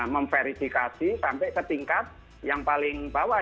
memverifikasi sampai ke tingkat yang paling bawah